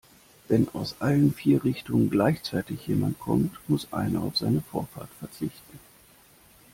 Wenn aus allen vier Richtungen gleichzeitig jemand kommt, muss einer auf seine Vorfahrt verzichten.